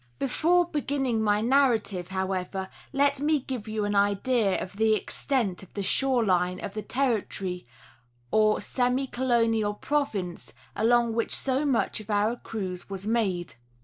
Before beginning my narrative, however, let me give you an idea of the extent of the shore line of the territory or semi colonial province along which so much of our cruise was made.